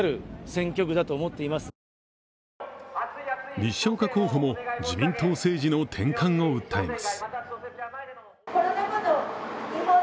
西岡候補も自民党政治の転換を訴えます。